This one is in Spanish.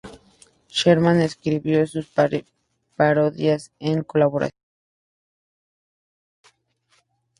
Sherman escribió sus parodias en colaboración con Lou Busch.